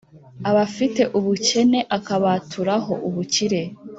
abafite ubukene akabaturaho ubukire